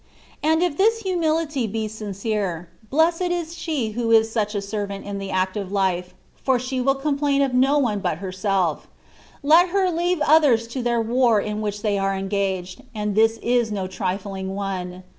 And if this humiUty be sincere, blessed is she who is such a servant in the active life, for she will complain of no one but herself : let her leave others to their war in which they are engaged, and this is no trifling one.